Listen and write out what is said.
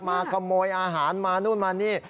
มาขโมยอาหารมานู่นมานี่